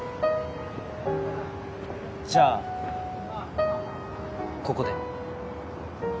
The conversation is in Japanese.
じゃあここで。